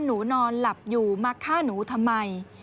นอนหลับอยู่มาฆ่าหนูทำไม